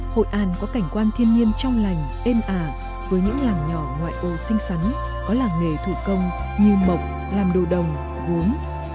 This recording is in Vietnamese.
hội an có cảnh quan thiên nhiên trong lành êm ả với những làng nhỏ ngoại ô xinh xắn có làng nghề thủ công như mộc làm đồ đồng gốm